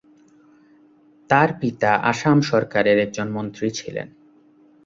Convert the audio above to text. তার পিতা আসাম সরকারের একজন মন্ত্রী ছিলেন।